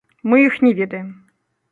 Мы іх не ведаем.